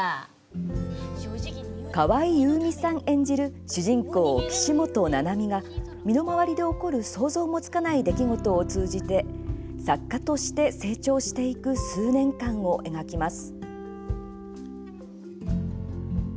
河合優美さん演じる主人公岸本七実が身の回りで起こる想像もつかない出来事を通じて作家として成長していく数年間を描きます。